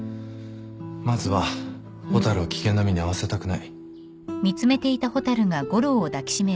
まずは蛍を危険な目に遭わせたくない。